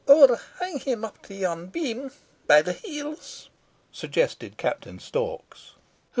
"Or hang him up to yon beam by the heels," suggested Captain Storks.